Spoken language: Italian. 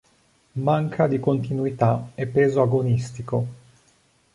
Manca di continuità e peso agonistico.